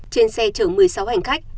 trên xe chở một mươi sáu hành khách